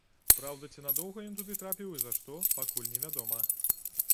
Праўда, ці надоўга ён туды трапіў і за што, пакуль невядома.